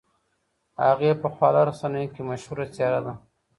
هغې په خواله رسنیو کې مشهوره څېره ده.